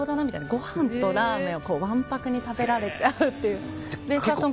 ごはんとラーメンをわんぱくに食べられちゃうっていう。